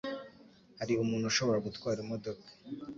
Hari umuntu ushobora gutwara imodoka?